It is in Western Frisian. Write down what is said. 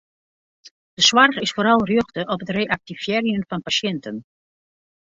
De soarch is foaral rjochte op it reaktivearjen fan pasjinten.